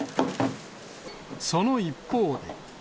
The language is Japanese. その一方で。